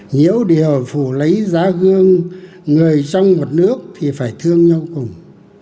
nhiễu điều phủ lấy giá gương người trong một nước thì phải thương nhau cùng